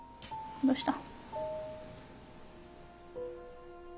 どうした？